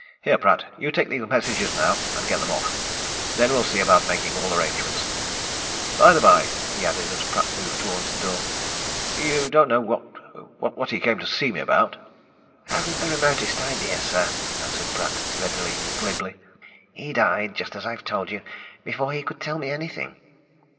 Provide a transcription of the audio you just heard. Here, Pratt, you take these messages now, and get them off. Then we'll see about making all arrangements. By the by," he added, as Pratt moved towards the door, "you don't know what what he came to see me about?" "Haven't the remotest idea, sir," answered Pratt, readily and glibly. "He died just as I've told you before he could tell me anything."